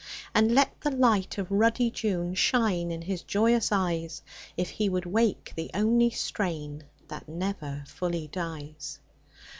And let the light of ruddy June Shine in his joyous eyes. If he would wake the only strain That never fully dies